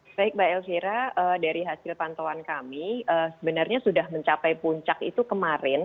baik mbak elvira dari hasil pantauan kami sebenarnya sudah mencapai puncak itu kemarin